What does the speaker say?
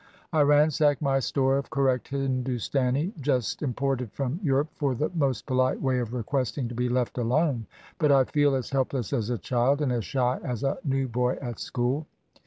I ransack my store of correct Hindustani just imported from Europe for the most polite way of requesting to be left alone; but I feel as helpless as a child, and as shy as a new boy at school.